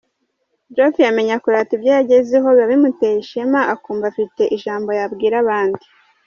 Jovia amenya kurata ibyo yagezeho, biba bimuteye ishema akumva afite ijambo yabwira abandi.